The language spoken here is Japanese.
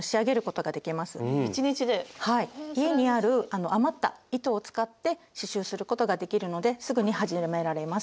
家にある余った糸を使って刺しゅうすることができるのですぐに始められます。